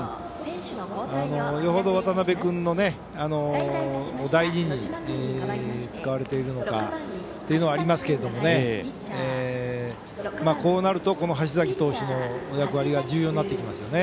よほど渡辺君を大事に使われているのかというのもありますけれどもこうなると橋崎投手の役割が重要になってきますよね。